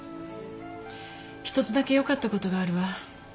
一つだけよかった事があるわ。